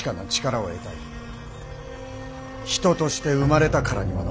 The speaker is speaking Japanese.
人として生まれたからにはの。